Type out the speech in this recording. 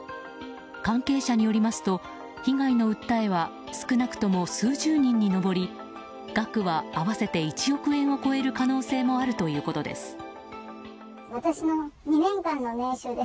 関係者によりますと被害の訴えは少なくとも数十人に上り額は合わせて１億円を超える可能性もあるということです。